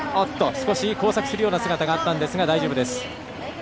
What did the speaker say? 少し交錯するような姿がありましたが大丈夫です。